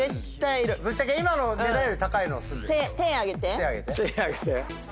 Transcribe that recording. ぶっちゃけ今の値段より高いの住んでる人。